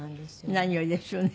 何よりですよね。